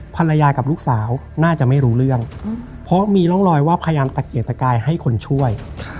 ภรรยากับลูกสาวน่าจะไม่รู้เรื่องเพราะมีร่องรอยว่าพยายามตะเกียกตะกายให้คนช่วย